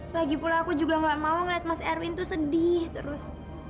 lagi pula aku juga gak mau ngeliat mas erwin tuh sedih terus